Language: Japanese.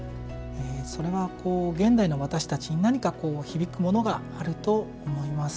それは現代の私たちに何かこう響くものがあると思います。